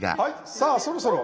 さあそろそろ。